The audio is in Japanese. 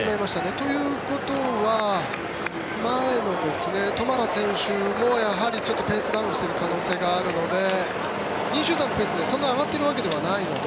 ということは、前のトマラ選手もやはりペースダウンしている可能性があるので２位集団のペースはそんなに上がっているわけではないので。